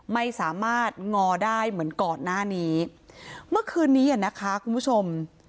ไม่สามารถงอได้เหมือนก่อนหน้านี้เมื่อคืนนี้อ่ะนะคะคุณผู้ชม